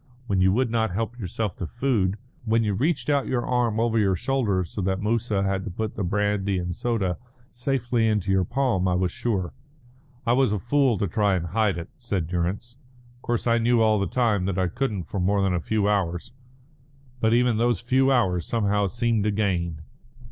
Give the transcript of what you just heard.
When you would not help yourself to food, when you reached out your arm over your shoulder so that Moussa had to put the brandy and soda safely into your palm, I was sure." "I was a fool to try and hide it," said Durrance. "Of course I knew all the time that I couldn't for more than a few hours. But even those few hours somehow seemed a gain."